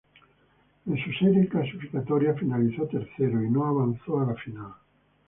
En su serie clasificatoria finalizó tercero, y no avanzó a la final.